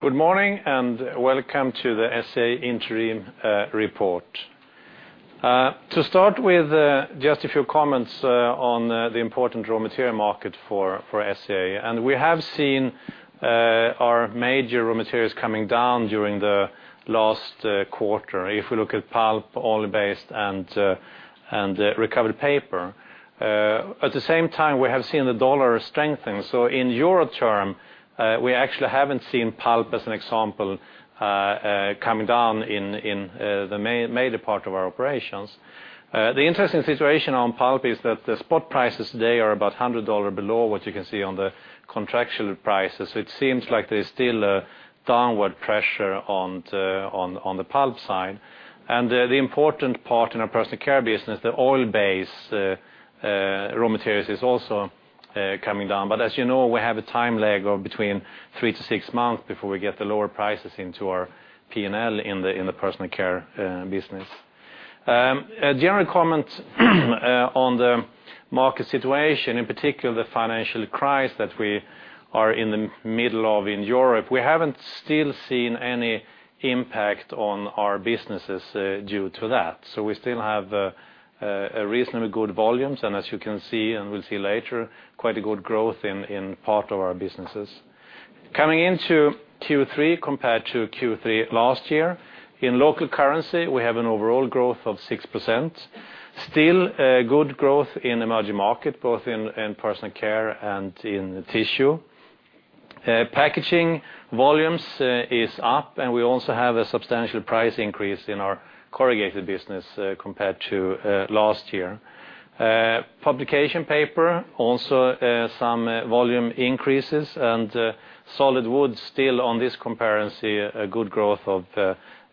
Good morning and welcome to the SCA Interim Report. To start with, just a few comments on the important raw material market for SCA. We have seen our major raw materials coming down during the last quarter. If we look at pulp, oil-based, and recovered paper. At the same time, we have seen the dollar strengthen. In euro terms, we actually haven't seen pulp as an example coming down in the major part of our operations. The interesting situation on pulp is that the spot prices today are about $100 below what you can see on the contractual prices. It seems like there is still downward pressure on the pulp side. The important part in our Personal Care business, the oil-based raw materials, is also coming down. As you know, we have a time lag of between three to six months before we get the lower prices into our P&L in the Personal Care business. A general comment on the market situation, in particular the financial crisis that we are in the middle of in Europe, we haven't still seen any impact on our businesses due to that. We still have reasonably good volumes, and as you can see and will see later, quite a good growth in part of our businesses. Coming into Q3 compared to Q3 last year, in local currency, we have an overall growth of 6%. Still, good growth in emerging markets, both in Personal Care and in Tissue. Packaging volumes are up, and we also have a substantial price increase in our corrugated business compared to last year. Publication paper, also some volume increases, and solid wood still on this comparison a good growth of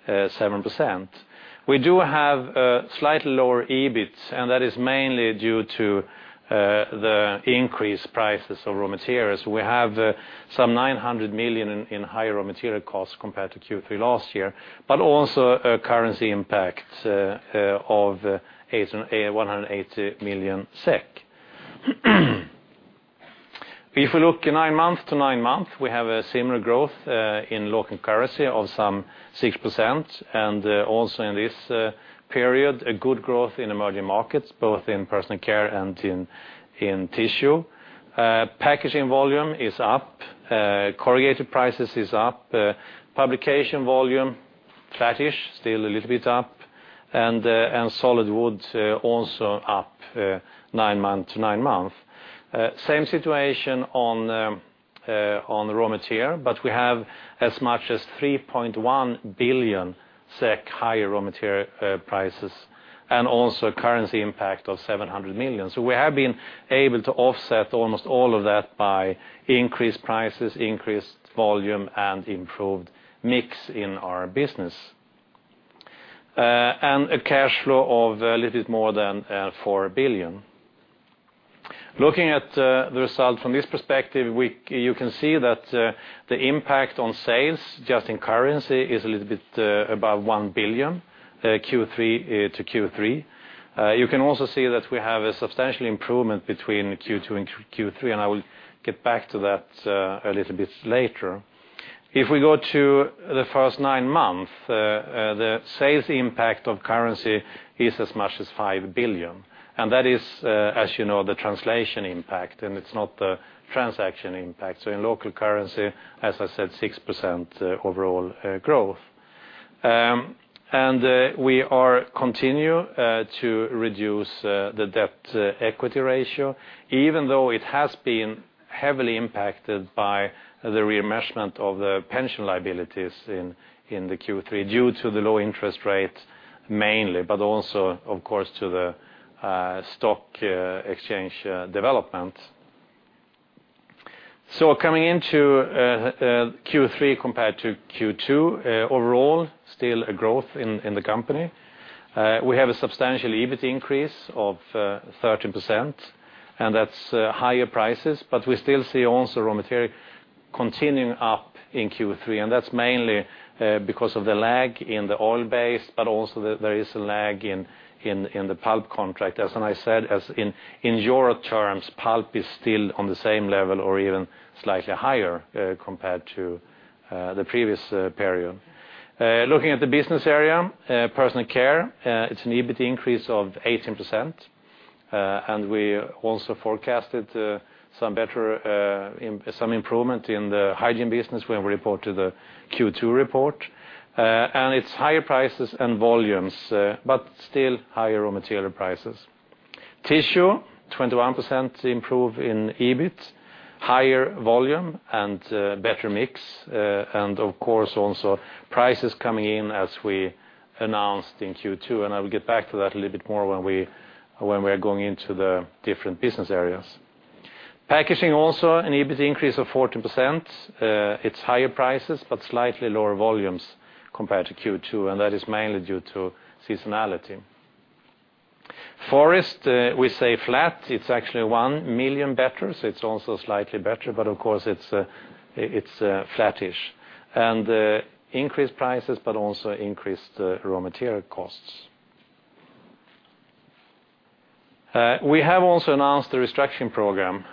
7%. We do have slightly lower EBIT, and that is mainly due to the increased prices of raw materials. We have some 900 million in high raw material costs compared to Q3 last year, but also a currency impact of 180 million SEK. If we look at nine months to nine months, we have a similar growth in local currency of some 6%. Also, in this period, a good growth in emerging markets, both in Personal Care and in Tissue. Packaging volume is up, corrugated prices are up, publication volume flat-ish, still a little bit up, and solid wood also up nine months to nine months. Same situation on raw material, but we have as much as 3.1 billion SEK higher raw material prices, and also a currency impact of 700 million. We have been able to offset almost all of that by increased prices, increased volume, and improved mix in our business. A cash flow of a little bit more than 4 billion. Looking at the result from this perspective, you can see that the impact on sales just in currency is a little bit above 1 billion Q3 to Q3. You can also see that we have a substantial improvement between Q2 and Q3, and I will get back to that a little bit later. If we go to the first nine months, the sales impact of currency is as much as 5 billion. That is, as you know, the translation impact, and it's not the transaction impact. In local currency, as I said, 6% overall growth. We continue to reduce the debt-equity ratio, even though it has been heavily impacted by the remeasurement of the pension liabilities in Q3 due to the low interest rate mainly, but also, of course, to the stock exchange development. Coming into Q3 compared to Q2, overall, still a growth in the company. We have a substantial EBIT increase of 13%, and that's higher prices, but we still see also raw material continuing up in Q3. That's mainly because of the lag in the oil-based, but also there is a lag in the pulp contract. As I said, in euro terms, pulp is still on the same level or even slightly higher compared to the previous period. Looking at the business area, Personal Care, it's an EBIT increase of 18%. We also forecasted some improvement in the hygiene business when we reported the Q2 report. It's higher prices and volumes, but still higher raw material prices. Tissue, 21% improved in EBIT, higher volume and better mix, and of course, also prices coming in as we announced in Q2. I will get back to that a little bit more when we are going into the different business areas. Packaging also an EBIT increase of 14%. It's higher prices, but slightly lower volumes compared to Q2, and that is mainly due to seasonality. Forest, we say flat, it's actually 1 million better, so it's also slightly better, but of course, it's flat-ish. Increased prices, but also increased raw material costs. We have also announced the restructuring program.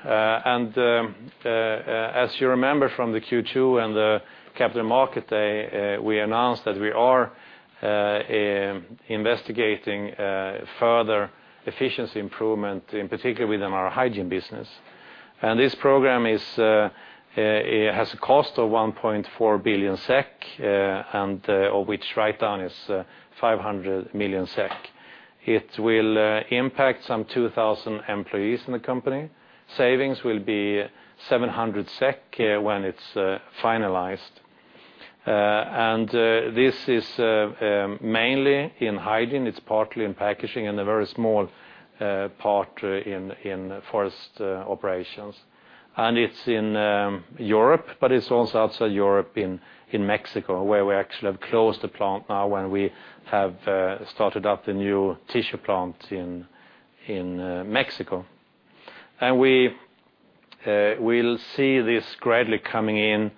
As you remember from the Q2 and the Capital Market Day, we announced that we are investigating further efficiency improvement, in particular within our hygiene business. This program has a cost of 1.4 billion SEK, of which write-down is 500 million SEK. It will impact some 2,000 employees in the company. Savings will be 700 million SEK when it's finalized. This is mainly in hygiene, it's partly in packaging and a very small part in forest operations. It's in Europe, but it's also outside Europe in Mexico, where we actually have closed the plant now when we have started up the new Tissue Plant in Mexico. We will see this gradually coming in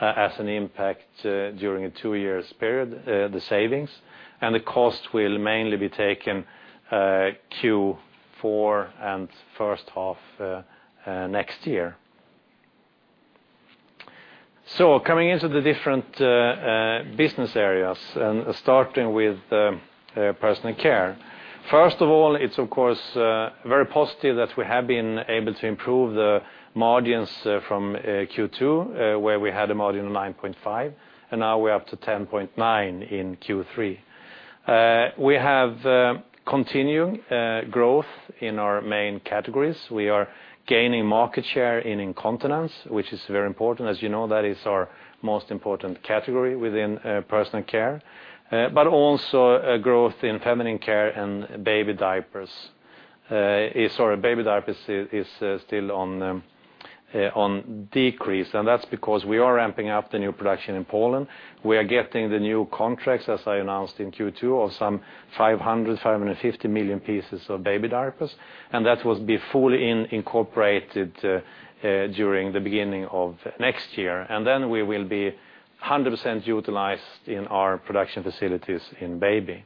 as an impact during a two-year period. The savings and the cost will mainly be taken in Q4 and the first half next year. Coming into the different business areas, starting with Personal Care. First of all, it's of course very positive that we have been able to improve the margins from Q2, where we had a margin of 9.5%, and now we're up to 10.9% in Q3. We have continuing growth in our main categories. We are gaining market share in incontinence, which is very important. As you know, that is our most important category within Personal Care, but also growth in feminine care and baby diapers. Sorry, baby diapers is still on decrease, and that's because we are ramping up the new production in Poland. We are getting the new contracts, as I announced in Q2, of some 500 million, 550 million pieces of baby diapers, and that will be fully incorporated during the beginning of next year. We will be 100% utilized in our production facilities in baby.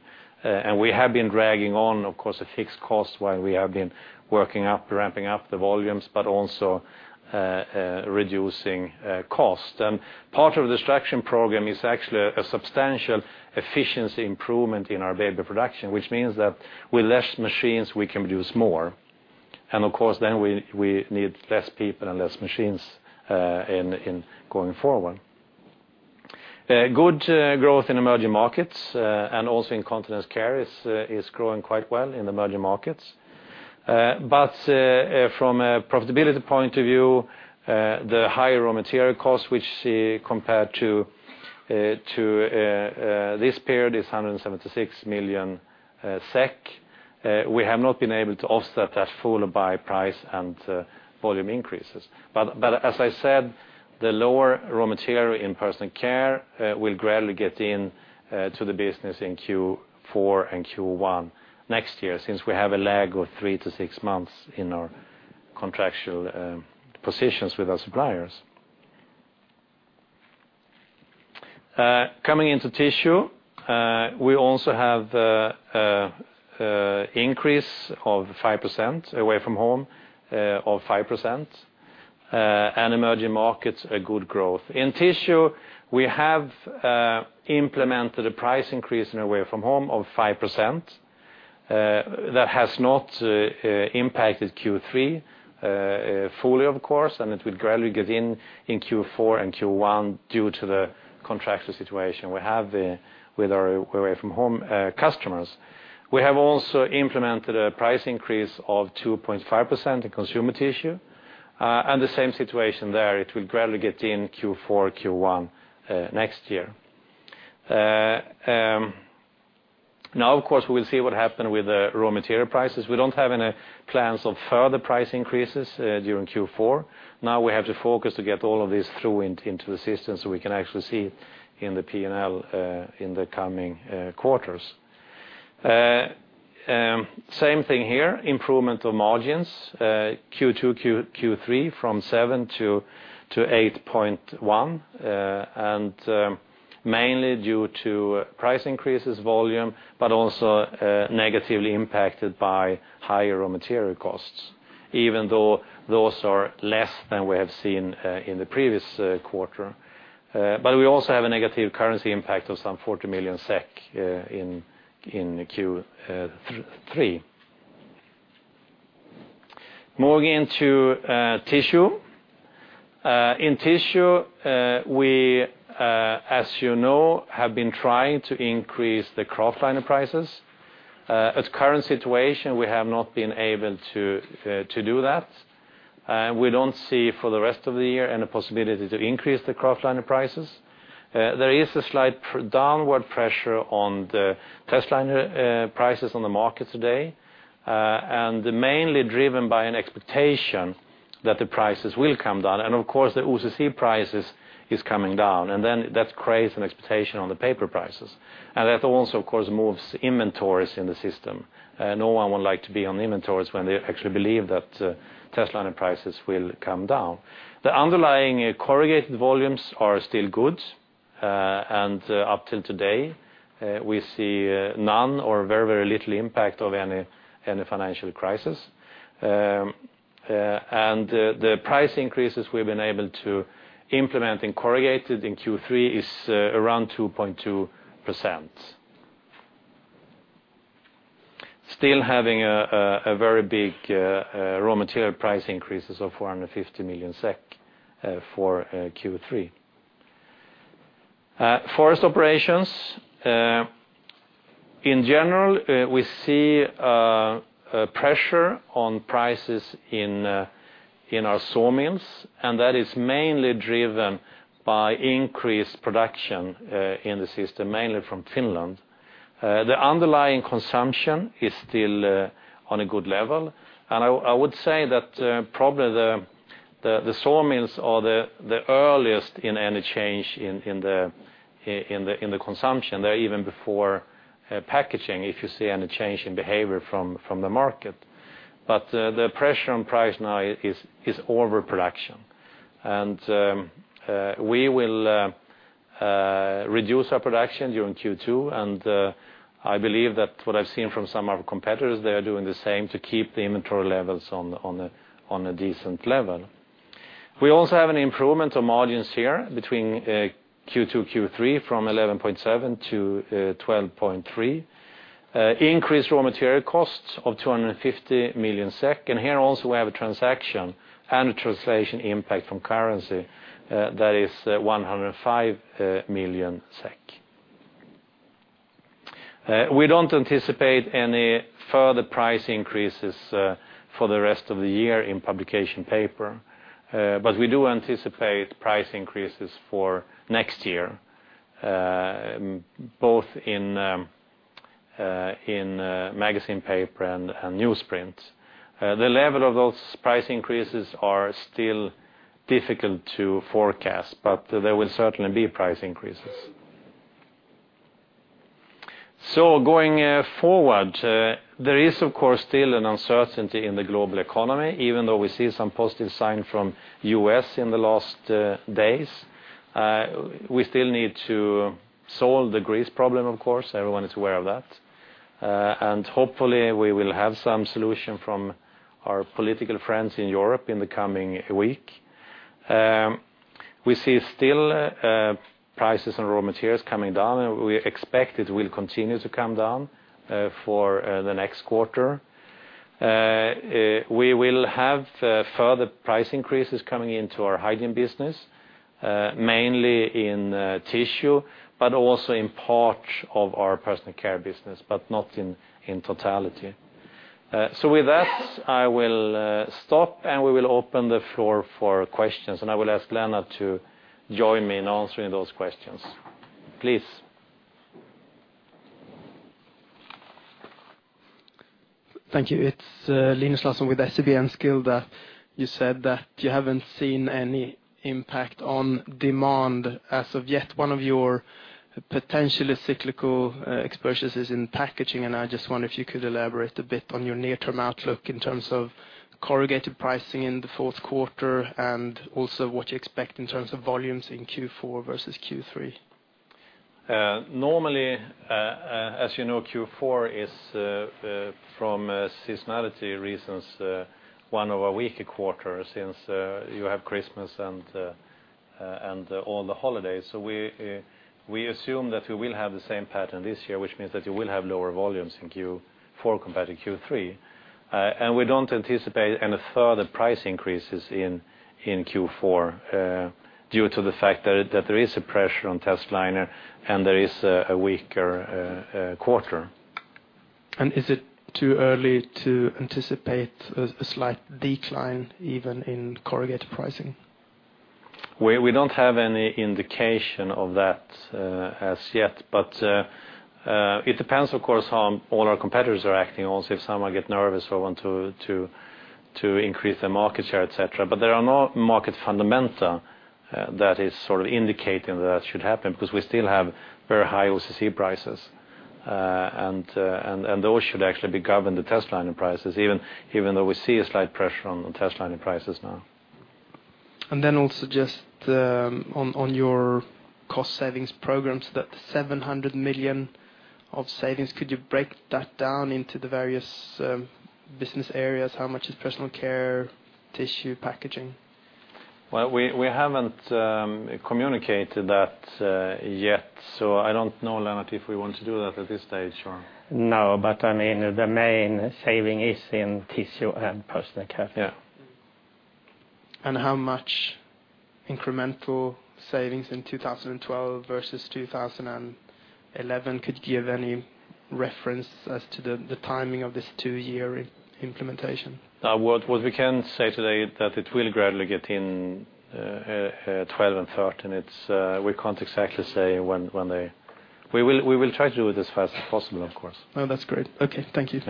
We have been dragging on, of course, a fixed cost while we have been working up, ramping up the volumes, but also reducing cost. Part of the restructuring program is actually a substantial efficiency improvement in our baby production, which means that with fewer machines, we can produce more. Of course, then we need fewer people and fewer machines going forward. Good growth in emerging markets, and also incontinence care is growing quite well in emerging markets. From a profitability point of view, the higher raw material costs which we see compared to this period is 176 million SEK. We have not been able to offset that fully by price and volume increases. As I said, the lower raw material in Personal Care will gradually get into the business in Q4 and Q1 next year, since we have a lag of three to six months in our contractual positions with our suppliers. Coming into Tissue, we also have an increase of 5% Away-from-Home, and emerging markets are good growth. In Tissue, we have implemented a price increase in Away-from-Home of 5%. That has not impacted Q3 fully, and it will gradually get in Q4 and Q1 due to the contractual situation we have with our Away-from-Home customers. We have also implemented a price increase of 2.5% in Consumer Tissue, and the same situation there. It will gradually get in Q4 and Q1 next year. Now, of course, we will see what happened with the raw material prices. We don't have any plans of further price increases during Q4. Now we have to focus to get all of this through into the system, so we can actually see it in the P&L in the coming quarters. Same thing here, improvement of margins Q2, Q3 from 7-8.1, and mainly due to price increases, volume, but also negatively impacted by higher raw material costs, even though those are less than we have seen in the previous quarter. We also have a negative currency impact of some 40 million SEK in Q3. Moving into Tissue. In Tissue, we, as you know, have been trying to increase the kraft liner prices. At the current situation, we have not been able to do that. We don't see for the rest of the year any possibility to increase the kraft liner prices. There is a slight downward pressure on the testliner prices on the market today, mainly driven by an expectation that the prices will come down. The OCC prices are coming down, and that creates an expectation on the paper prices. That also, of course, moves inventories in the system. No one would like to be on inventories when they actually believe that testliner prices will come down. The underlying corrugated volumes are still good, and up until today, we see none or very, very little impact of any financial crisis. The price increases we've been able to implement in corrugated in Q3 is around 2.2%. Still having a very big raw material price increase of 450 million SEK for Q3. Forest operations, in general, we see pressure on prices in our sawmills, and that is mainly driven by increased production in the system, mainly from Finland. The underlying consumption is still on a good level. I would say that probably the sawmills are the earliest in any change in the consumption. They're even before packaging if you see any change in behavior from the market. The pressure on price now is overproduction. We will reduce our production during Q2, and I believe that what I've seen from some of our competitors, they are doing the same to keep the inventory levels on a decent level. We also have an improvement of margins here between Q2, Q3 from 11.7-12.3. Increased raw material costs of 250 million SEK, and here also we have a transaction and a translation impact from currency that is 105 million SEK. We don't anticipate any further price increases for the rest of the year in publication paper, but we do anticipate price increases for next year, both in magazine paper and newsprint. The level of those price increases is still difficult to forecast, but there will certainly be price increases. Going forward, there is of course still an uncertainty in the global economy, even though we see some positive signs from the U.S. in the last days. We still need to solve the Greece problem, of course. Everyone is aware of that. Hopefully, we will have some solution from our political friends in Europe in the coming week. We see still prices on raw materials coming down, and we expect it will continue to come down for the next quarter. We will have further price increases coming into our hygiene business, mainly in Tissue, but also in parts of our Personal Care business, but not in totality. With that, I will stop, and we will open the floor for questions. I will ask Lennart Persson to join me in answering those questions. Please. Thank you. It's Linus Larsson with SEB Enskilda. You said that you haven't seen any impact on demand as of yet. One of your potentially cyclical exposures is in packaging, and I just wonder if you could elaborate a bit on your near-term outlook in terms of corrugated pricing in the fourth quarter and also what you expect in terms of volumes in Q4 versus Q3. Normally, as you know, Q4 is for seasonality reasons one of a weaker quarter since you have Christmas and all the holidays. We assume that we will have the same pattern this year, which means that you will have lower volumes in Q4 compared to Q3. We don't anticipate any further price increases in Q4 due to the fact that there is a pressure on testliner and there is a weaker quarter. Is it too early to anticipate a slight decline even in corrugated pricing? We don't have any indication of that as yet, but it depends of course how all our competitors are acting. Also, if someone gets nervous or wants to increase their market share, etc. There are no market fundamentals that are sort of indicating that that should happen because we still have very high OCC prices, and those should actually be governing the testliner prices, even though we see a slight pressure on testliner prices now. On your cost savings program, the 700 million of savings, could you break that down into the various business areas? How much is Personal Care, Tissue, packaging? We haven't communicated that yet, so I don't know, Lennart, if we want to do that at this stage. No, I mean the main saving is in Tissue and Personal Care. How much incremental savings in 2012 versus 2011 could give any reference as to the timing of this two-year implementation? What we can say today is that it will gradually get in 2012 and 2013. We can't exactly say when they... We will try to do it as fast as possible, of course. That's great. Thank you.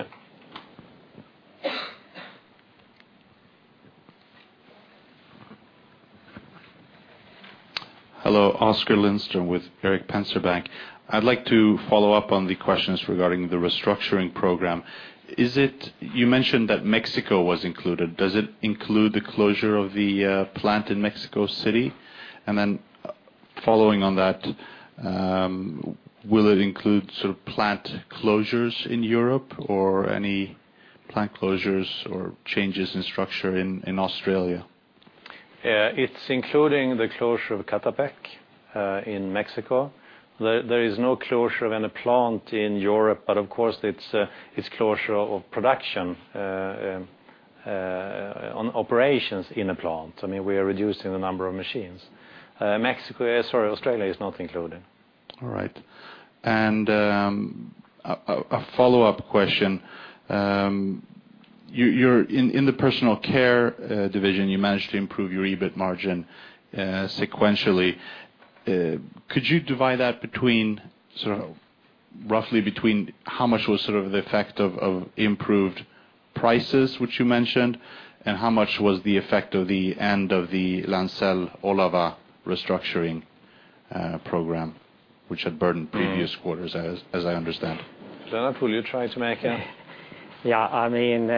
Hello, Oskar Lindström with Erik Penser Bank. I'd like to follow up on the questions regarding the restructuring program. You mentioned that Mexico was included. Does it include the closure of the plant in Mexico City? Following on that, will it include plant closures in Europe or any plant closures or changes in structure in Australia? It's including the closure of Ecatepec in Mexico. There is no closure of any plant in Europe, but of course it's closure of production on operations in a plant. We are reducing the number of machines. Australia is not included. All right. A follow-up question. In the Personal Care division, you managed to improve your EBIT margin sequentially. Could you divide that roughly between how much was the effect of improved prices, which you mentioned, and how much was the effect of the end of the Linselles/Oława restructuring program, which had burdened previous quarters, as I understand? Lennart, will you try to make it? Yeah. I mean,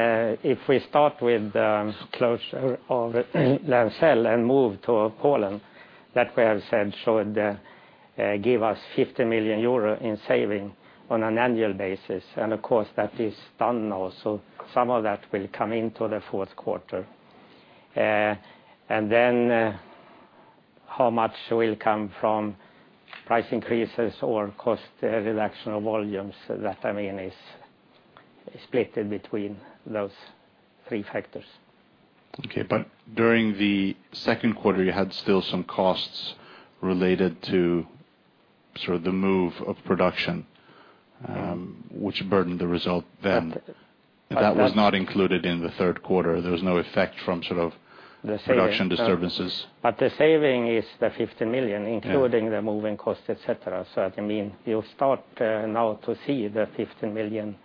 if we start with the closure of Linselles and move to Poland, that we have said should give us 50 million euro in saving on an annual basis. Of course, that is done now, so some of that will come into the fourth quarter. How much will come from price increases or cost reduction of volumes, that is split between those three factors. Okay, during the second quarter, you had still some costs related to the move of production, which burdened the result then. That was not included in the third quarter. There was no effect from production disturbances. The saving is the 15 million, including the moving costs, etc. You start now to see the 15 million euro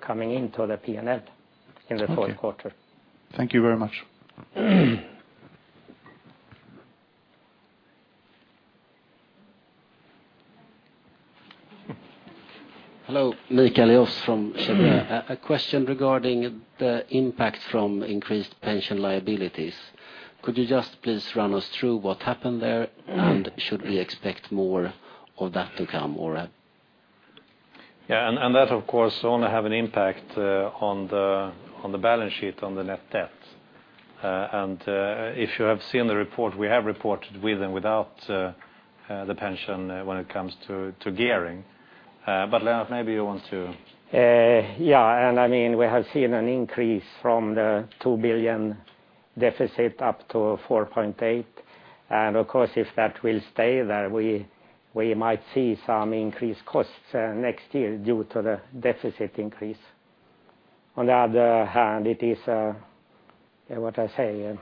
coming into the P&L in the fourth quarter. Thank you very much. Hello, Mikael Jåfs from Cheuvreux. A question regarding the impact from increased pension liabilities. Could you just please run us through what happened there, and should we expect more of that to come? Yeah, and that of course only has an impact on the balance sheet on the net debt. If you have seen the report, we have reported with and without the pension when it comes to gearing. Lennart, maybe you want to... Yeah, I mean, we have seen an increase from the 2 billion deficit up to 4.8 billion. Of course, if that will stay there, we might see some increased costs next year due to the deficit increase. On the other hand, it is what I say, a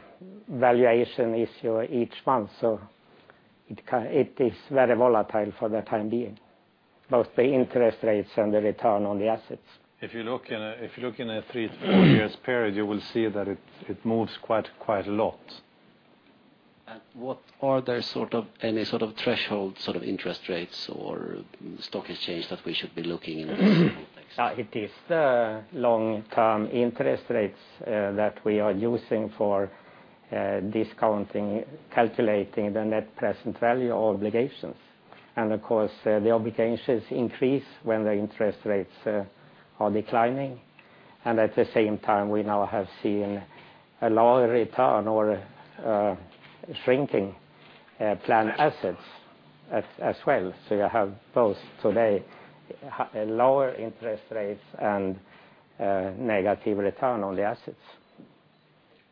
valuation issue each month, so it is very volatile for the time being, both the interest rates and the return on the assets. If you look in a three-year period, you will see that it moves quite a lot. What are the sort of threshold interest rates or stock exchange that we should be looking in the next? It is the long-term interest rates that we are using for discounting, calculating the net present value of obligations. Of course, the obligations increase when the interest rates are declining. At the same time, we now have seen a lower return or shrinking planned assets as well. You have both today lower interest rates and negative return on the assets.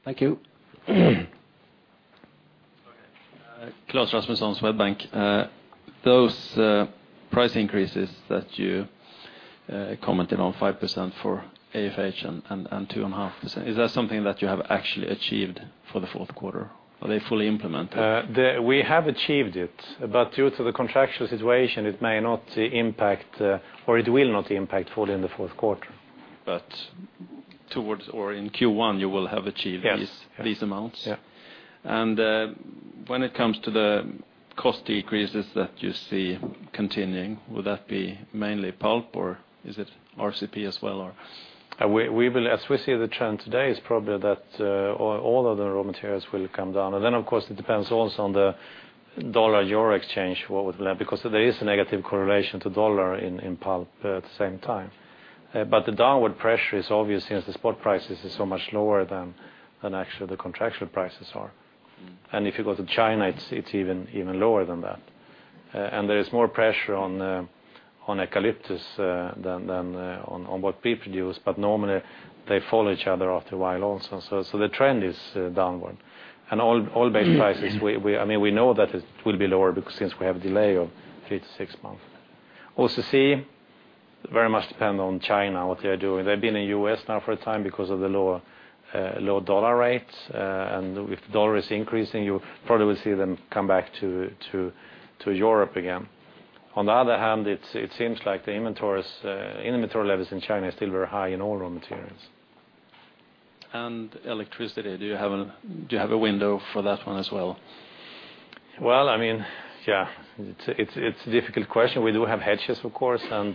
Thank you. Claes Rasmuson Swedbank. Those price increases that you commented on, 5% for AFH and 2.5%, is that something that you have actually achieved for the fourth quarter? Are they fully implemented? We have achieved it, but due to the contractual situation, it may not impact, or it will not impact fully in the fourth quarter. Towards or in Q1, you will have achieved these amounts? Yes. When it comes to the cost decreases that you see continuing, would that be mainly pulp or is it RCP as well? As we see the trend today, it's probably that all of the raw materials will come down. Of course, it depends also on the dollar euro exchange, what we will have, because there is a negative correlation to dollar in pulp at the same time. The downward pressure is obvious since the spot prices are so much lower than actually the contractual prices are. If you go to China, it's even lower than that. There is more pressure on eucalyptus than on what we produce, but normally they follow each other after a while also. The trend is downward. All bale prices, I mean, we know that it will be lower because we have a delay of three to six months. OCC very much depends on China, what they are doing. They've been in the U.S. now for a time because of the low dollar rates. If the dollar is increasing, you probably will see them come back to Europe again. On the other hand, it seems like the inventory levels in China are still very high in all raw materials. Electricity, do you have a window for that one as well? It is a difficult question. We do have hedges, of course, and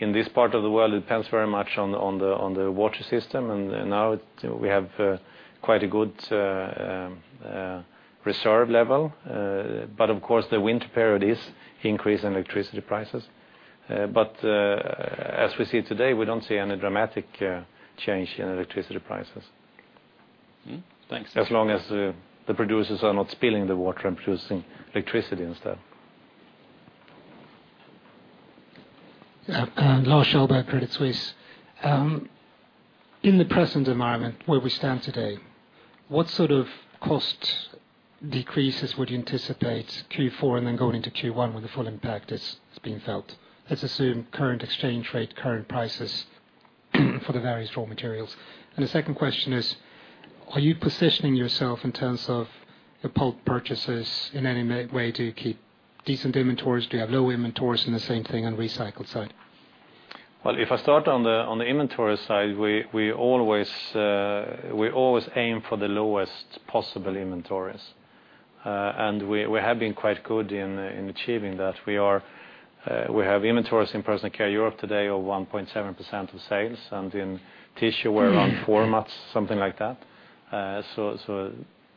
in this part of the world, it depends very much on the water system. Now we have quite a good reserve level, but of course, the winter period is increasing electricity prices. As we see today, we don't see any dramatic change in electricity prices. Thanks. As long as the producers are not spilling the water and producing electricity instead. Lars Kjellberg, Credit Suisse. In the present environment where we stand today, what sort of cost decreases would you anticipate Q4 and then going into Q1 when the full impact has been felt? Let's assume current exchange rate, current prices for the various raw materials. The second question is, are you positioning yourself in terms of pulp purchases in any way? Do you keep decent inventories? Do you have low inventories and the same thing on the recycled side? If I start on the inventory side, we always aim for the lowest possible inventories. We have been quite good in achieving that. We have inventories in Personal Care Europe today of 1.7% of sales, and in Tissue, we're around four months, something like that.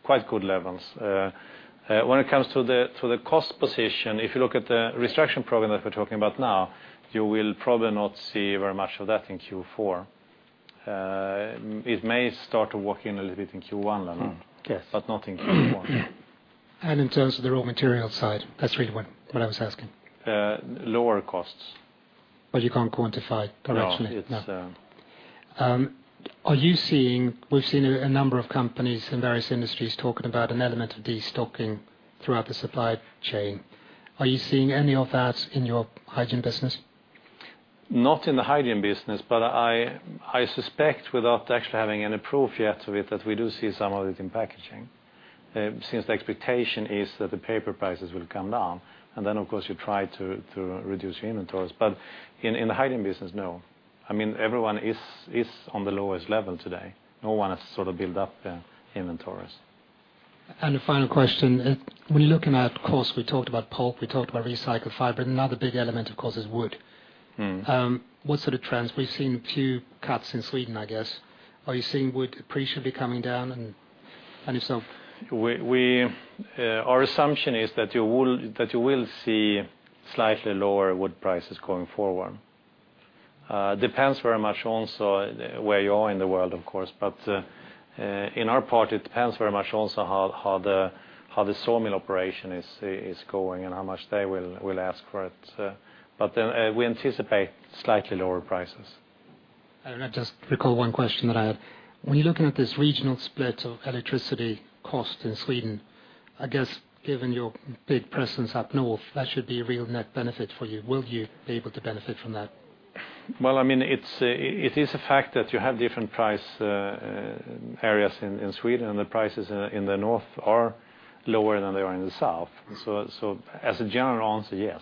Quite good levels. When it comes to the cost position, if you look at the restructuring program that we're talking about now, you will probably not see very much of that in Q4. It may start to walk in a little bit in Q1, Lennart, but not in Q4. In terms of the raw material side, that's really what I was asking. Lower costs. You can't quantify it directly? No. We've seen a number of companies in various industries talking about an element of destocking throughout the supply chain. Are you seeing any of that in your Hygiene business? Not in the Hygiene business, but I suspect without actually having any proof yet of it, that we do see some of it in packaging since the expectation is that the paper prices will come down. Of course, you try to reduce your inventories. In the hygiene business, no. I mean, everyone is on the lowest level today. No one has sort of built up their inventories. A final question. When you're looking at costs, we talked about pulp, we talked about recycled fiber, and another big element, of course, is wood. What sort of trends? We've seen a few cuts in Sweden, I guess. Are you seeing wood appreciate or coming down? Our assumption is that you will see slightly lower wood prices going forward. It depends very much also where you are in the world, of course. In our part, it depends very much also how the sawmill operation is going and how much they will ask for it. We anticipate slightly lower prices. I just recall one question that I had. When you're looking at this regional split of electricity cost in Sweden, I guess given your big presence up north, that should be a real net benefit for you. Will you be able to benefit from that? It is a fact that you have different price areas in Sweden, and the prices in the north are lower than they are in the south. As a general answer, yes.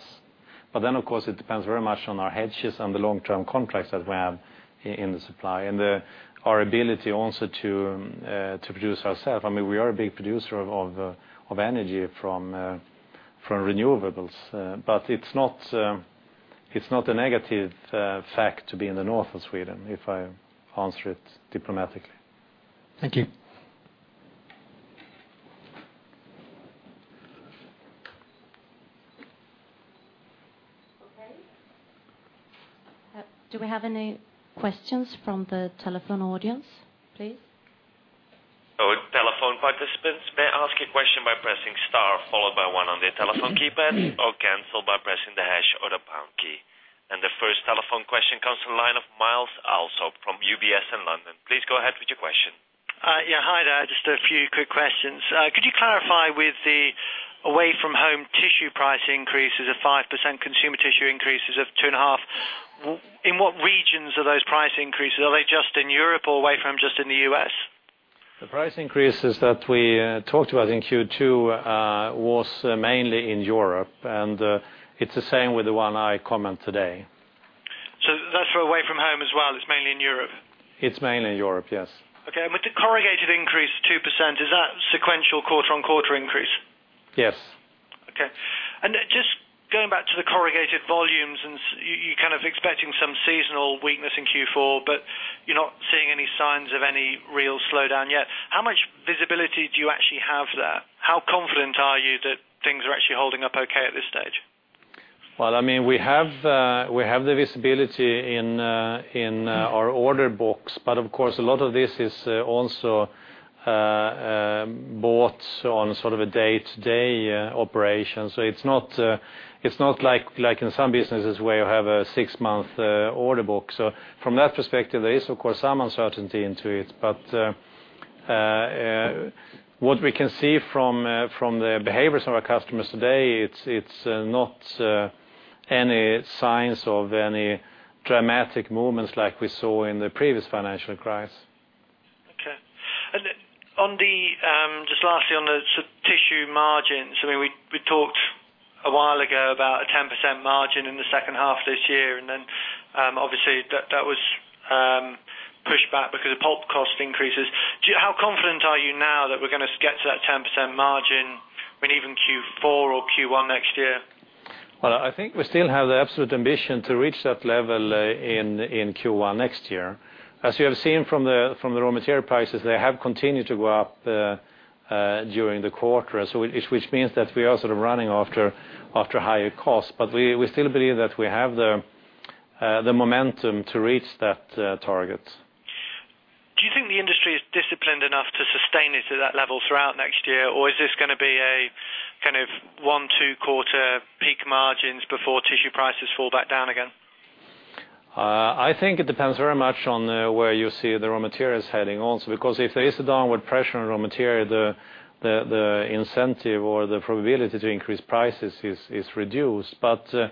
Of course, it depends very much on our hedges and the long-term contracts that we have in the supply and our ability also to produce ourselves. I mean, we are a big producer of energy from renewables, but it's not a negative fact to be in the north of Sweden, if I answer it diplomatically. Thank you. Okay. Do we have any questions from the telephone audience, please? Our telephone participants may ask a question by pressing star followed by one on their telephone keypad or cancel by pressing the hash or the pound key. The first telephone question comes from Myles Allsop also from UBS in London. Please go ahead with your question. Hi there. Just a few quick questions. Could you clarify with the Away-from-Home Tissue price increases of 5% and Consumer Tissue increases of 2.5%? In what regions are those price increases? Are they just in Europe or just in the U.S.? The price increases that we talked about in Q2 were mainly in Europe, and it's the same with the one I commented today. That's for Away-from-Home as well. It's mainly in Europe? It's mainly in Europe, yes. Okay. With the corrugated increase 2%, is that sequential quarter-on-quarter increase? Yes. Okay. Just going back to the corrugated volumes, you're kind of expecting some seasonal weakness in Q4, but you're not seeing any signs of any real slowdown yet. How much visibility do you actually have there? How confident are you that things are actually holding up okay at this stage? We have the visibility in our order books, but of course, a lot of this is also bought on sort of a day-to-day operation. It's not like in some businesses where you have a six-month order book. From that perspective, there is of course some uncertainty into it, but what we can see from the behaviors of our customers today, it's not any signs of any dramatic movements like we saw in the previous financial crisis. Okay. Just lastly, on the Tissue margins, we talked a while ago about a 10% margin in the second half of this year, and obviously that was pushed back because of pulp cost increases. How confident are you now that we're going to get to that 10% margin in even Q4 or Q1 next year? I think we still have the absolute ambition to reach that level in Q1 next year. As you have seen from the raw material prices, they have continued to go up during the quarter, which means that we are sort of running after higher costs. We still believe that we have the momentum to reach that target. Do you think the industry is disciplined enough to sustain it to that level throughout next year, or is this going to be a kind of one, two-quarter peak margins before Tissue prices fall back down again? I think it depends very much on where you see the raw materials heading also, because if there is a downward pressure on raw material, the incentive or the probability to increase prices is reduced. The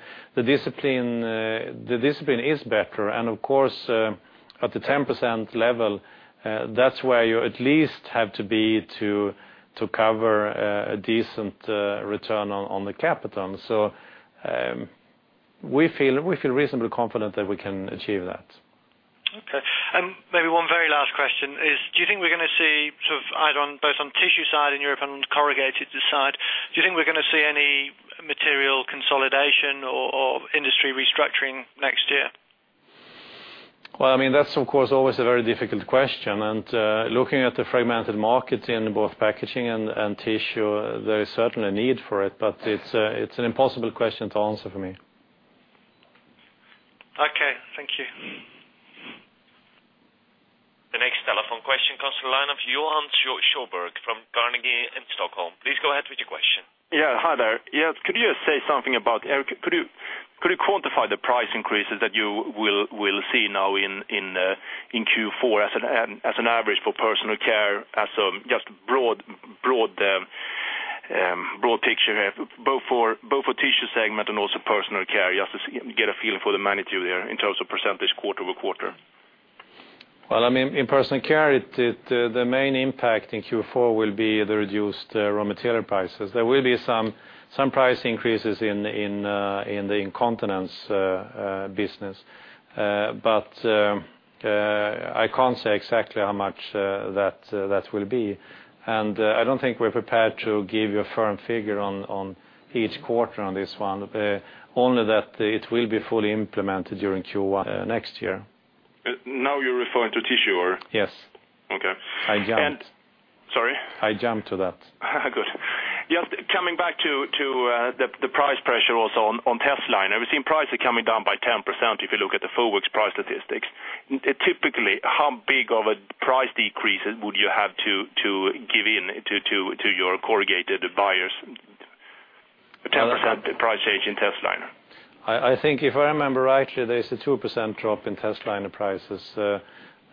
discipline is better, and of course, at the 10% level, that's where you at least have to be to cover a decent return on the capital. We feel reasonably confident that we can achieve that. Okay. Maybe one very last question is, do you think we're going to see either on both on the Tissue side in Europe and corrugated side? Do you think we're going to see any material consolidation or industry restructuring next year? I mean, that's of course always a very difficult question. Looking at the fragmented market in both packaging and Tissue, there is certainly a need for it, but it's an impossible question to answer for me. Okay, thank you. The next telephone question comes from Johan Sjöberg from Carnegie in Stockholm. Please go ahead with your question. Hi there. Could you say something about, could you quantify the price increases that you will see now in Q4 as an average for Personal Care, as just a broad picture, both for the Tissue segment and also Personal Care, just to get a feeling for the magnitude there in terms of % quarter-over-quarter? In Personal Care, the main impact in Q4 will be the reduced raw material prices. There will be some price increases in the incontinence business, but I can't say exactly how much that will be. I don't think we're prepared to give you a firm figure on each quarter on this one, only that it will be fully implemented during Q1 next year. Now you're referring to Tissue? Yes. Okay. I jumped. Sorry? I jumped to that. Good. Just coming back to the price pressure also on testliner, we've seen prices coming down by 10% if you look at the FOEX price statistics. Typically, how big of a price decrease would you have to give in to your corrugated buyers? 10% price change in testliner? I think if I remember rightly, there's a 2% drop in testliner prices.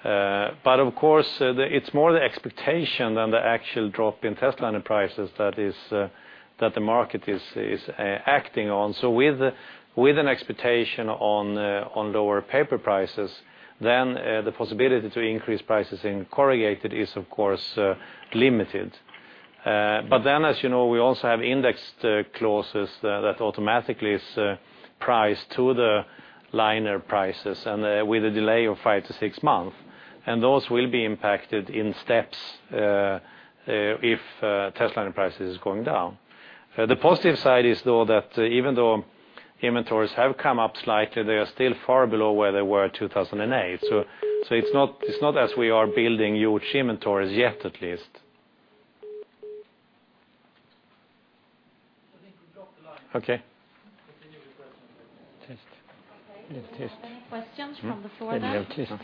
Of course, it's more the expectation than the actual drop in testliner prices that the market is acting on. With an expectation on lower paper prices, the possibility to increase prices in corrugated is of course limited. As you know, we also have indexed clauses that automatically price to the liner prices with a delay of five to six months. Those will be impacted in steps if testliner prices are going down. The positive side is that even though inventories have come up slightly, they are still far below where they were in 2008. It's not as if we are building huge inventories yet at least. Okay. Any questions from the floor?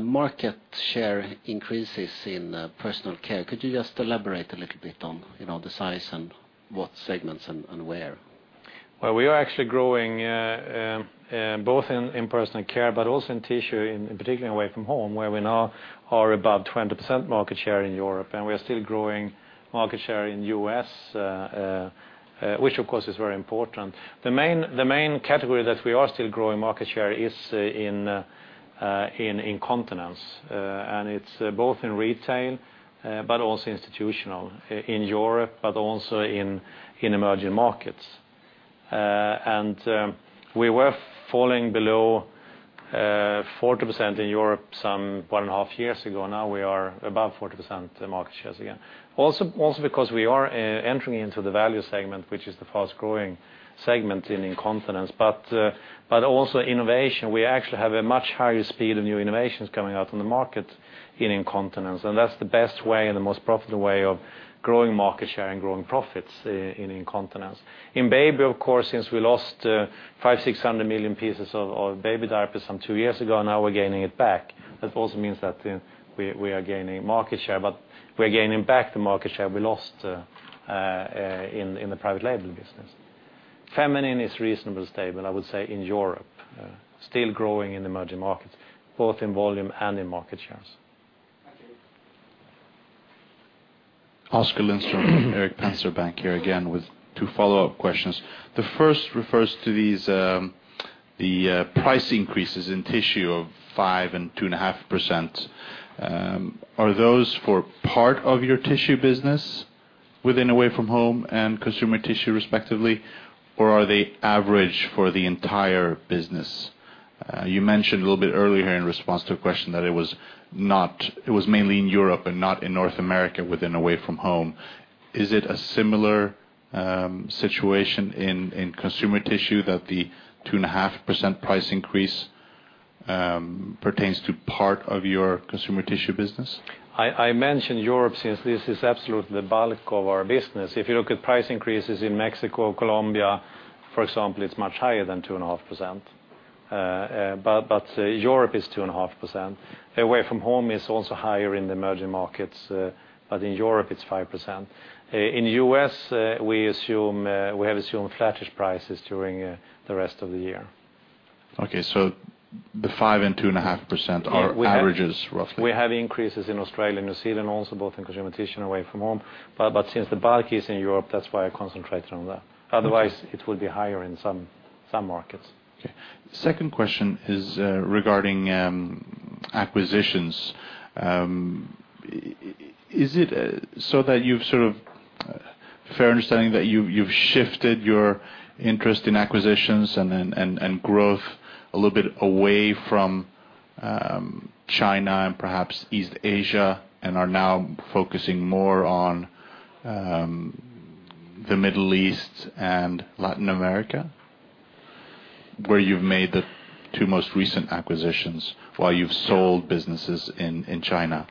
Market share increases in Personal Care. Could you just elaborate a little bit on the size and what segments and where? We are actually growing both in Personal Care and in Tissue, in particular Away-from-Home, where we now are above 20% market share in Europe. We are still growing market share in the U.S., which of course is very important. The main category that we are still growing market share in is incontinence. It's both in retail and institutional in Europe, and also in emerging markets. We were falling below 40% in Europe about one and a half years ago. Now we are above 40% market share again, also because we are entering into the value segment, which is the fast-growing segment in incontinence, and also innovation. We actually have a much higher speed of new innovations coming out on the market in incontinence. That's the best way and the most profitable way of growing market share and growing profits in incontinence. In baby, since we lost 500 million-600 million pieces of baby diapers about two years ago, now we're gaining it back. That also means that we are gaining market share, but we are gaining back the market share we lost in the private label business. Feminine is reasonably stable in Europe. Still growing in emerging markets, both in volume and in market share. Oskar Lindström from Erik Penser Bank here again with two follow-up questions. The first refers to the price increases in Tissue of 5% and 2.5%. Are those for part of your Tissue business within Away-from-Home and Consumer Tissue respectively, or are they average for the entire business? You mentioned a little bit earlier in response to a question that it was mainly in Europe and not in North America within Away-from-Home. Is it a similar situation in Consumer Tissue that the 2.5% price increase pertains to part of your Consumer Tissue business? I mentioned Europe since this is absolutely the bulk of our business. If you look at price increases in Mexico, Colombia, for example, it's much higher than 2.5%. Europe is 2.5%. Away-from-Home is also higher in the emerging markets, but in Europe it's 5%. In the U.S., we have assumed flattish prices during the rest of the year. Okay, so the 5% and 2.5% are averages, roughly? We have increases in Australia, New Zealand, also both in Consumer Tissue and Away-from-Home. Since the bulk is in Europe, that's why I concentrated on that. Otherwise, it would be higher in some markets. Okay. Second question is regarding acquisitions. Is it so that you've sort of a fair understanding that you've shifted your interest in acquisitions and growth a little bit away from China and perhaps East Asia and are now focusing more on the Middle East and Latin America where you've made the two most recent acquisitions while you've sold businesses in China?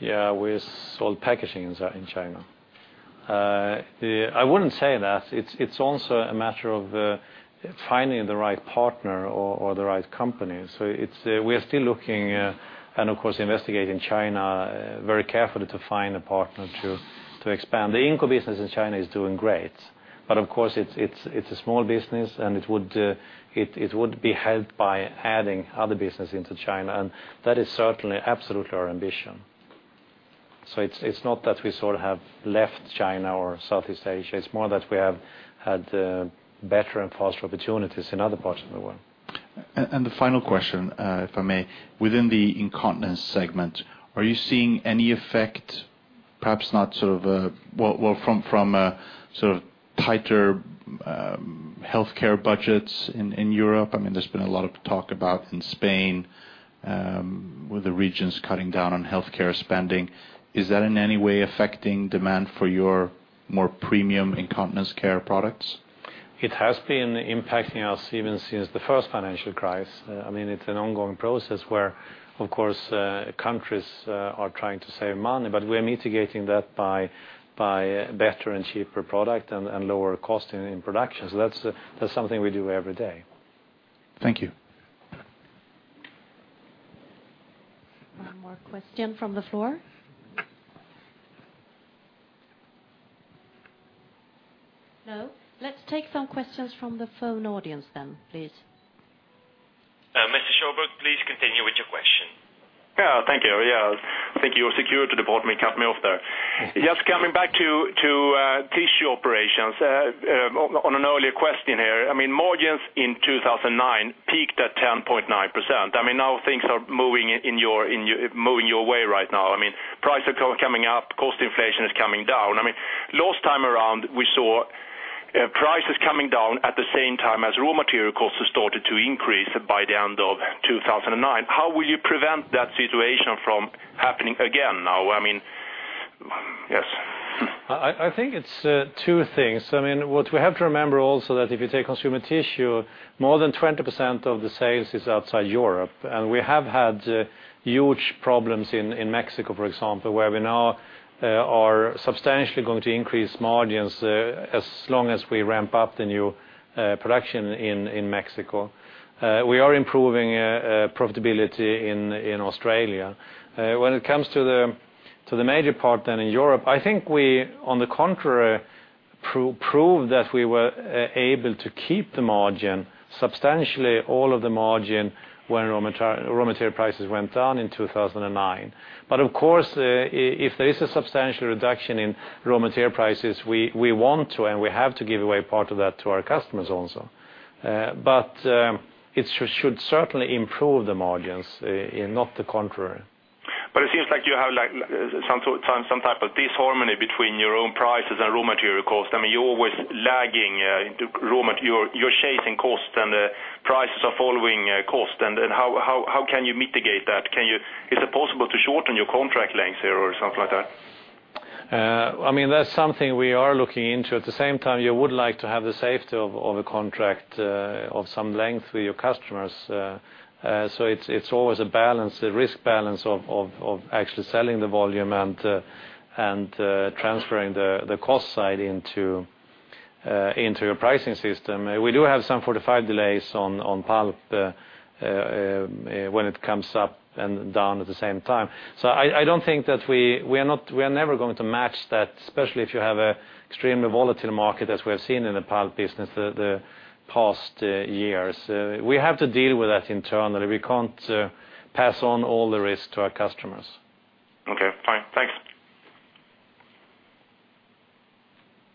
Yeah, we sold packaging in China. I wouldn't say that. It's also a matter of finding the right partner or the right company. We are still looking and of course investigating China very carefully to find a partner to expand. The incontinence business in China is doing great, but of course it's a small business and it would be helped by adding other businesses into China. That is certainly absolutely our ambition. It's not that we sort of have left China or Southeast Asia. It's more that we have had better and faster opportunities in other parts of the world. The final question, if I may, within the incontinence segment, are you seeing any effect, perhaps not sort of a well from sort of tighter healthcare budgets in Europe? I mean, there's been a lot of talk about in Spain with the regions cutting down on healthcare spending. Is that in any way affecting demand for your more premium incontinence care products? It has been impacting us even since the first financial crisis. I mean, it's an ongoing process where, of course, countries are trying to save money. We are mitigating that by better and cheaper products and lower costs in production. That's something we do every day. Thank you. One more question from the floor. Hello, let's take some questions from the phone audience, please. Mr. Sjöberg, please continue with your question. Yeah, thank you. I think your security department cut me off there. Just coming back to Tissue operations on an earlier question here. Margins in 2009 peaked at 10.9%. Now things are moving your way right now. Prices are coming up, cost inflation is coming down. Last time around we saw prices coming down at the same time as raw material costs started to increase by the end of 2009. How will you prevent that situation from happening again now? I think it's two things. What we have to remember also is that if you take Consumer Tissue, more than 20% of the sales is outside Europe. We have had huge problems in Mexico, for example, where we now are substantially going to increase margins as long as we ramp up the new production in Mexico. We are improving profitability in Australia. When it comes to the major part in Europe, I think we, on the contrary, proved that we were able to keep the margin substantially, all of the margin when raw material prices went down in 2009. Of course, if there is a substantial reduction in raw material prices, we want to and we have to give away part of that to our customers also. It should certainly improve the margins, not the contrary. It seems like you have some type of disharmony between your own prices and raw material costs. I mean, you're always lagging raw material. You're chasing costs and the prices are following costs. How can you mitigate that? Is it possible to shorten your contract lengths here or something like that? I mean, that's something we are looking into. At the same time, you would like to have the safety of a contract of some length with your customers. It's always a balance, a risk balance of actually selling the volume and transferring the cost side into your pricing system. We do have some fortified delays on pulp when it comes up and down at the same time. I don't think that we are ever going to match that, especially if you have an extremely volatile market as we have seen in the pulp business the past years. We have to deal with that internally. We can't pass on all the risks to our customers. Okay, fine. Thanks.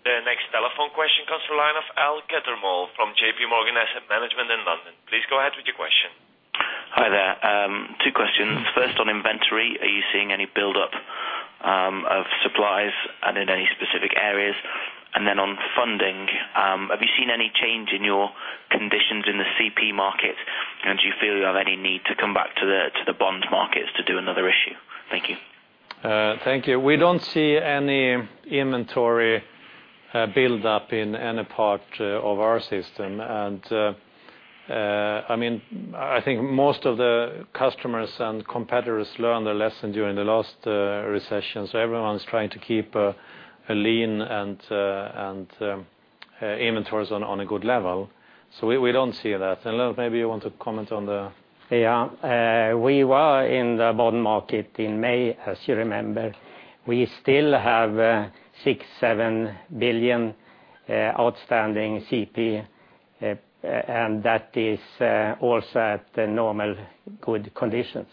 The next telephone question comes from Al Cattermole from JP Morgan Asset Management in London. Please go ahead with your question. Hi there. Two questions. First, on inventory, are you seeing any buildup of supplies in any specific areas? On funding, have you seen any change in your conditions in the CP market, and do you feel you have any need to come back to the bond markets to do another issue? Thank you. Thank you. We don't see any inventory buildup in any part of our system. I mean, I think most of the customers and competitors learned their lesson during the last recession. Everyone's trying to keep lean inventories on a good level. We don't see that. Lennart, maybe you want to comment on the... Yeah, we were in the bond market in May, as you remember. We still have 6 billion, 7 billion outstanding CP, and that is also at the normal good conditions.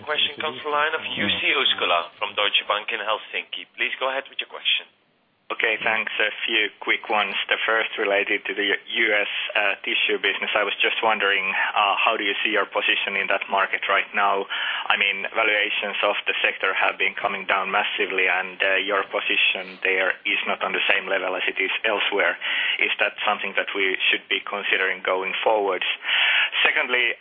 Okay, thank you. The next telephone question comes from Jussi Uskola from Deutsche Bank in Helsinki. Please go ahead with your question. Okay, thanks. A few quick ones. The first related to the U.S. Tissue business. I was just wondering, how do you see your position in that market right now? I mean, valuations of the sector have been coming down massively, and your position there is not on the same level as it is elsewhere. Is that something that we should be considering going forwards? Secondly,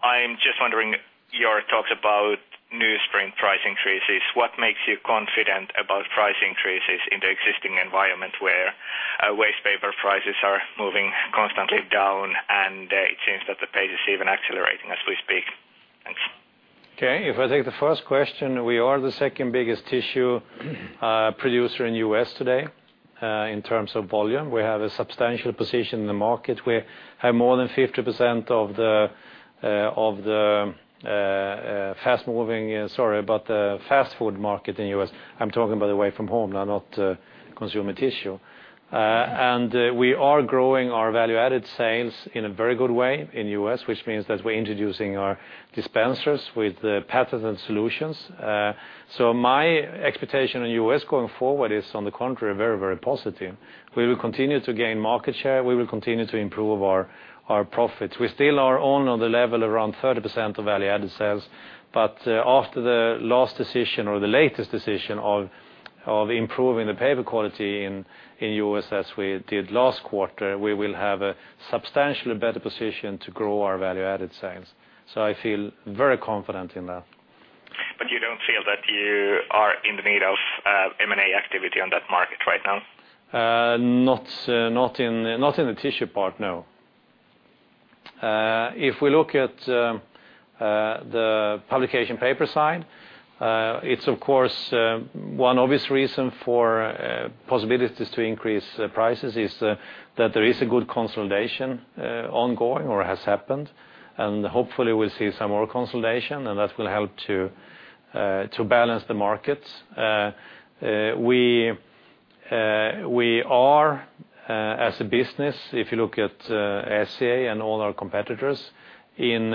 I'm just wondering your thoughts about newsprint price increases. What makes you confident about price increases in the existing environment where waste paper prices are moving constantly down, and it seems that the pace is even accelerating as we speak? Thanks. Okay, if I take the first question, we are the second biggest Tissue producer in the U.S. today in terms of volume. We have a substantial position in the market. We have more than 50% of the fast food market in the U.S. I'm talking about Away-from-Home now, not Consumer Tissue. We are growing our value-added sales in a very good way in the U.S., which means that we're introducing our dispensers with patterns and solutions. My expectation in the U.S. going forward is, on the contrary, very, very positive. We will continue to gain market share. We will continue to improve our profits. We still are only on the level of around 30% of value-added sales, but after the latest decision of improving the paper quality in the U.S. as we did last quarter, we will have a substantially better position to grow our value-added sales. I feel very confident in that. Do you feel that you are in the need of M&A activity on that market right now? Not in the Tissue part, no. If we look at the publication paper side, it's of course one obvious reason for possibilities to increase prices is that there is a good consolidation ongoing or has happened. Hopefully, we'll see some more consolidation, and that will help to balance the markets. We are, as a business, if you look at SCA and all our competitors, in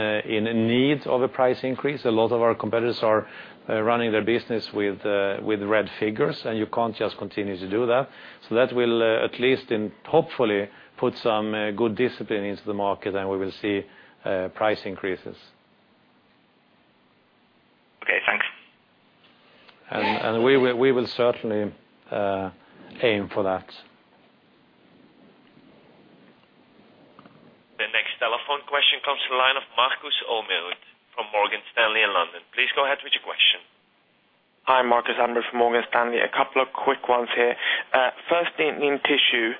need of a price increase. A lot of our competitors are running their business with red figures, and you can't just continue to do that. That will at least hopefully put some good discipline into the market, and we will see price increases. Okay, thanks. We will certainly aim for that. The next telephone question comes from Markus Almerud from Morgan Stanley in London. Please go ahead with your question. Hi, Markus. I'm from Morgan Stanley. A couple of quick ones here. First, in Tissue,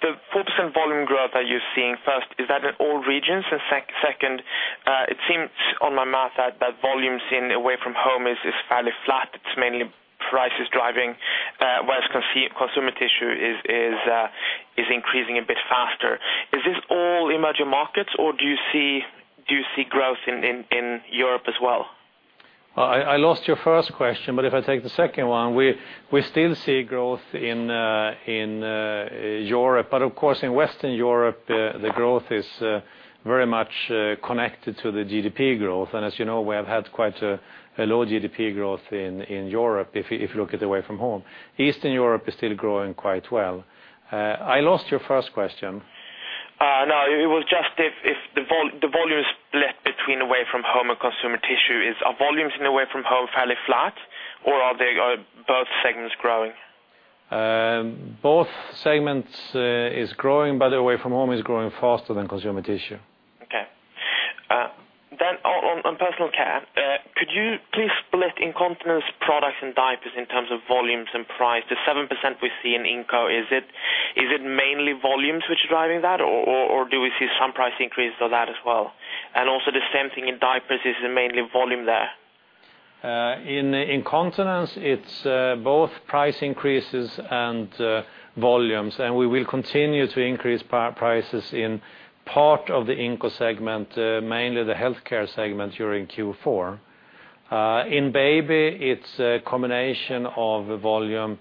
the 4% volume growth that you're seeing, first, is that in all regions? Second, it seems on my math that volumes in Away-from-Home is fairly flat. It's mainly prices driving, whereas Consumer Tissue is increasing a bit faster. Is this all emerging markets or do you see growth in Europe as well? I lost your first question, but if I take the second one, we still see growth in Europe. Of course, in Western Europe, the growth is very much connected to the GDP growth. As you know, we have had quite a low GDP growth in Europe if you look at Away-from-Home. Eastern Europe is still growing quite well. I lost your first question. No, it was just if the volume split between Away-from-Home and Consumer Tissue, are volumes in Away-from-Home fairly flat, or are both segments growing? Both segments are growing, but Away-from-Home is growing faster than Consumer Tissue. Okay. On Personal Care, could you please split incontinence products and diapers in terms of volumes and price? The 7% we see in incontinence, is it mainly volumes which are driving that or do we see some price increase of that as well? Also, the same thing in diapers, is it mainly volume there? In incontinence, it's both price increases and volumes. We will continue to increase prices in part of the incontinence segment, mainly the healthcare segment during Q4. In baby, it's a combination of volume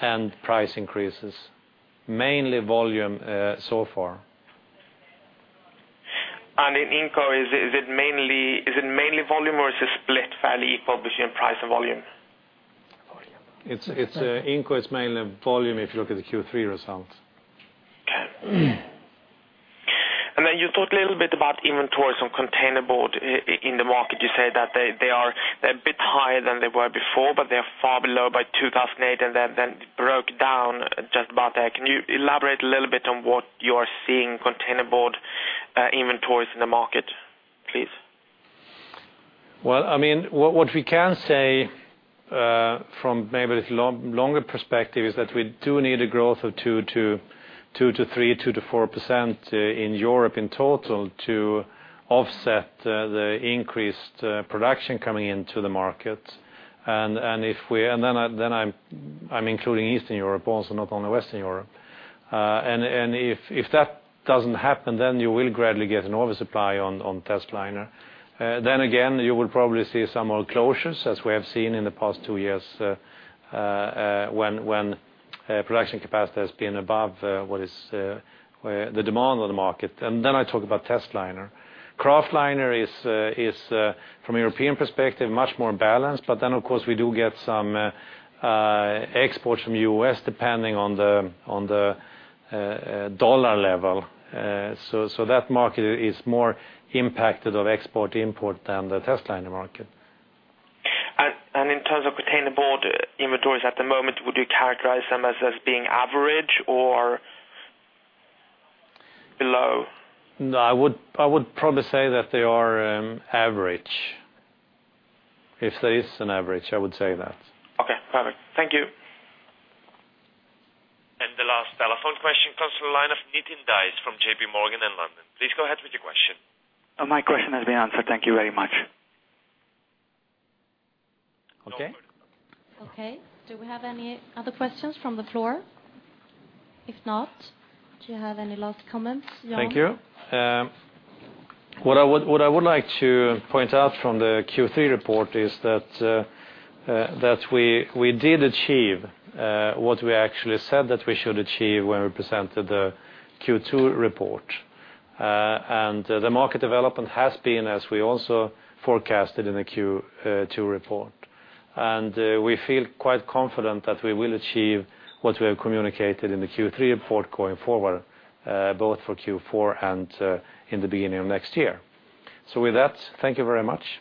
and price increases, mainly volume so far. In incontinence, is it mainly volume or is it split fairly equal between price and volume? Incontinence, it's mainly volume if you look at the Q3 results. Okay. You talked a little bit about inventories on containerboard in the market. You say that they are a bit higher than they were before, but they are far below 2008. It broke down just about there. Can you elaborate a little bit on what you are seeing in containerboard inventories in the market, please? From maybe this longer perspective, what we can say is that we do need a growth of 2% to 3%, 2% to 4% in Europe in total to offset the increased production coming into the market. I'm including Eastern Europe, also not only Western Europe. If that doesn't happen, you will gradually get an oversupply on testliner. You will probably see some more closures as we have seen in the past two years when production capacity has been above what is the demand on the market. I talk about testliner. Kraft liner is, from a European perspective, much more balanced, but of course we do get some exports from the U.S. depending on the dollar level. That market is more impacted by export-import than the testliner market. In terms of containerboard inventories at the moment, would you characterize them as being average or below? No, I would probably say that they are average. If there is an average, I would say that. Okay, perfect. Thank you. The last telephone question comes from Nitin Dias from JP Morgan in London. Please go ahead with your question. My question has been answered. Thank you very much. Okay. Okay. Do we have any other questions from the floor? If not, do you have any last comments? Thank you. What I would like to point out from the Q3 report is that we did achieve what we actually said that we should achieve when we presented the Q2 report. The market development has been, as we also forecasted in the Q2 report. We feel quite confident that we will achieve what we have communicated in the Q3 report going forward, both for Q4 and in the beginning of next year. With that, thank you very much.